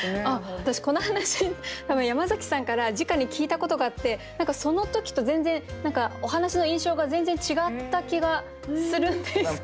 私この話多分山崎さんからじかに聞いたことがあって何かその時と全然お話の印象が全然違った気がするんですけど。